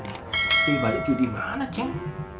nanti balik cu dimana ceng